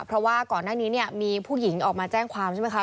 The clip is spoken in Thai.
เพราะว่าก่อนหน้านี้เนี่ยมีผู้หญิงออกมาแจ้งความใช่ไหมคะ